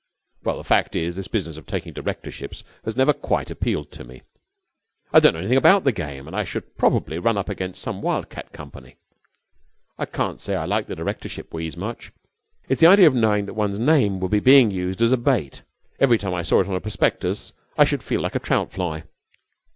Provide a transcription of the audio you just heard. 'Well, the fact is, this business of taking directorships has never quite appealed to me. I don't know anything about the game, and I should probably run up against some wildcat company. I can't say I like the directorship wheeze much. It's the idea of knowing that one's name would be being used as a bait. Every time I saw it on a prospectus I should feel like a trout fly.'